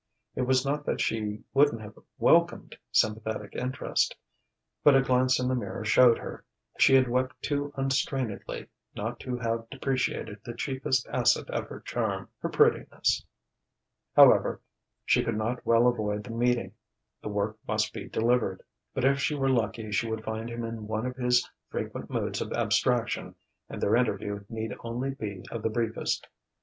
It was not that she wouldn't have welcomed sympathetic interest, but a glance in the mirror showed her she had wept too unrestrainedly not to have depreciated the chiefest asset of her charm her prettiness. However, she could not well avoid the meeting: the work must be delivered; but if she were lucky she would find him in one of his frequent moods of abstraction, and their interview need only be of the briefest.